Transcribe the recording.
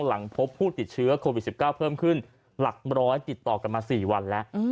หลังพบผู้ติดเชื้อโควิด๑๙เพิ่มขึ้นหลักร้อยติดต่อกันมา๔วันแล้ว